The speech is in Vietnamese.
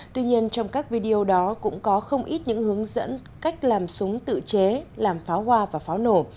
tuy nhiên trong các video đó cũng có không ít những hướng dẫn cách làm súng tự chế làm pháo hoa và pháo nổ